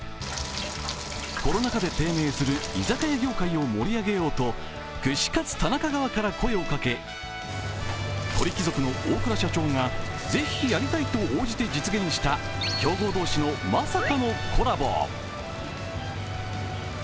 コロナ禍で低迷する居酒屋業界を盛り上げようと串カツ田中側から声をかけ鳥貴族の大倉社長がぜひやりたいと応じて実現した、競合同士のまさかのコラボ。